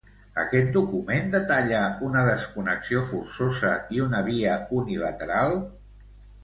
Aquest document detalla una desconnexió forçosa i una via unilateral?